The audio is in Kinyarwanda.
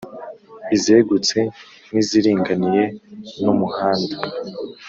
Izegutse n’ iziringaniye n’umuhanda